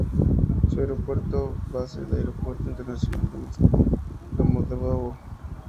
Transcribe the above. Su aeropuerto base es el Aeropuerto Internacional de Moscu-Domodedovo.